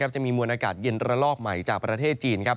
จะมีมวลอากาศเย็นระลอกใหม่จากประเทศจีนครับ